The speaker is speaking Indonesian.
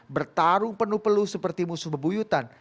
bertarung penuh peluh seperti musuh bebuyutan